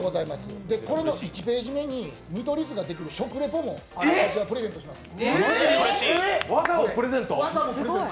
これの１ページ目に見取り図が出てくる食リポもプレゼントします。